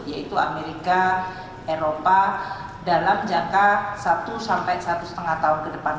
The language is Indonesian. yaitu amerika eropa dalam jangka satu sampai satu lima tahun ke depan